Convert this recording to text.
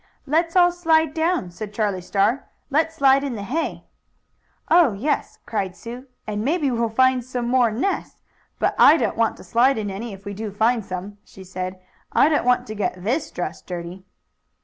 "Let's all slide down," said Charlie Star. "Let's slide in the hay." "Oh, yes!" cried Sue. "And maybe we'll find some more nests. But I don't want to slide in any if we do find some," she said. "I don't want to get this dress dirty."